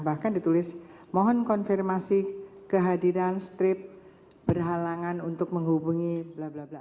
bahkan ditulis mohon konfirmasi kehadiran strip berhalangan untuk menghubungi blablabla